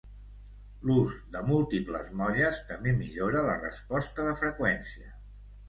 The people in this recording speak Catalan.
L'ús de múltiples molles també millora la resposta de freqüència.